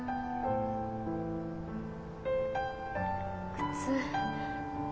靴